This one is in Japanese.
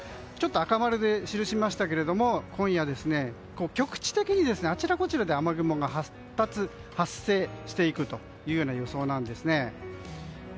赤丸で記しましたけど今夜、局地的にあちらこちらで雨雲が発達、発生していくというような予想なんですね。